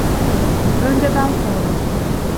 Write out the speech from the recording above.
Önce ben sordum.